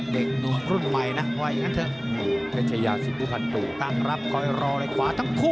เด็กหนุ่มรุ่นใหม่นะว่าอย่างนั้นเถอะ